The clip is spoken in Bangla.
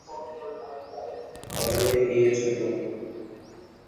করে দেখিয়েছো তুমি।